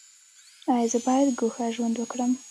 ایا زه باید ګوښه ژوند وکړم؟